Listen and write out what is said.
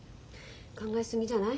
考え過ぎじゃない？